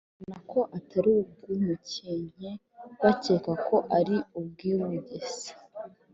bahakana ko atari ubw’umukenke, bakeka ko ari ubw’i Bugese